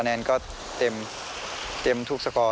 แนนก็เต็มทุกสกอร์